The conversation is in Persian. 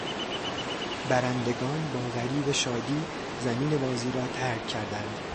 برندگان با غریو شادی زمین بازی را ترک کردند.